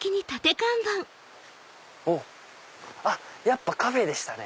おっやっぱカフェでしたね。